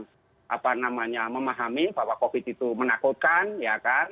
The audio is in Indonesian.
ada masyarakat yang apa namanya memahami bahwa covid itu menakutkan ya kan